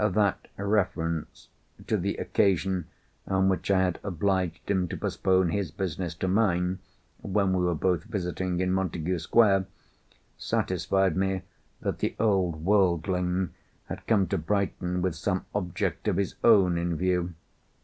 That reference to the occasion on which I had obliged him to postpone his business to mine, when we were both visiting in Montagu Square, satisfied me that the old worldling had come to Brighton with some object of his own in view.